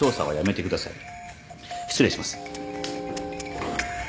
失礼します。